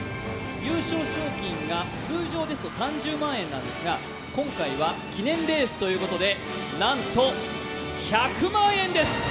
優勝賞金が通常ですと３０万円なんですが今回は記念レースということでなんと１００万円です！